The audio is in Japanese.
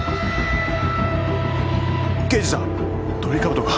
刑事さんトリカブトが。